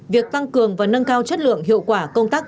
việc tăng cường và nâng cao chất lượng hiệu quả công tác